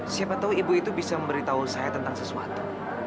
siapa tahu ibu itu bisa memberitahu saya tentang sesuatu